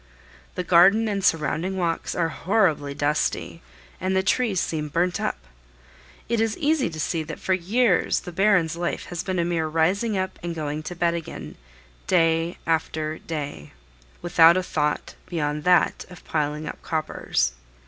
The garden and surrounding walks are horribly dusty, and the trees seem burnt up. It is easy to see that for years the Baron's life has been a mere rising up and going to bed again, day after day, without a thought beyond that of piling up coppers.